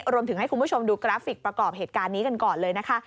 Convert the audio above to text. คุณผู้ชมให้คุณผู้ชมดูกราฟิกประกอบเหตุการณ์นี้กันก่อนเลยนะคะ